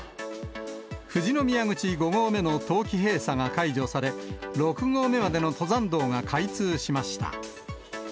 富士宮口５合目の冬季閉鎖が解除され、６合目までの登山道が開通しました。